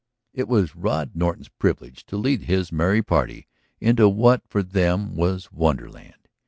It was Rod Norton's privilege to lead his merry party into what for them was wonderland.